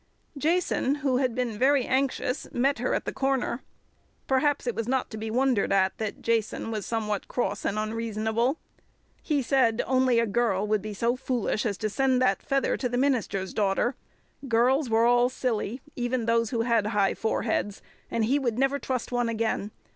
Jason, who had been very anxious, met her at the corner. Perhaps it was not to be wondered at that Jason was somewhat cross and unreasonable. He said only a girl would be so foolish as to send that feather to the minister's daughter. Girls were all silly, even those who had high foreheads, and he would never trust one again.